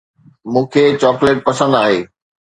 مون کي چاڪليٽ پسند آهي.